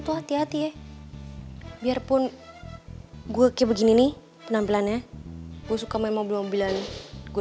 tuh hati hati ya biarpun gue kayak begini nih penampilannya gue suka memang belum bilang gue